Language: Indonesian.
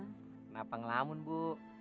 kenapa ngelamun bu